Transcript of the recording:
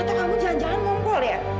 atau kamu jangan jangan ngumpul ya